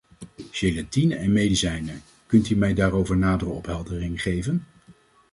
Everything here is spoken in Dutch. Gelatine en medicijnen, kunt u mij daarover nadere opheldering geven?